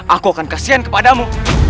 aku akan kasihan kepadamu